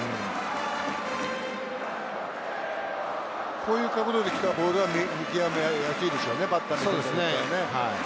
こういう角度で来たボールは見極めやすいですね、バッターはね。